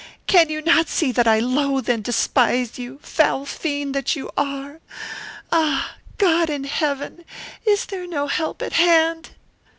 "Can you not see that I loathe and despise you, foul fiend that you are? Ah. God in heaven, is there no help at hand?"